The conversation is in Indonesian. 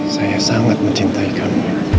saya sangat mencintai kamu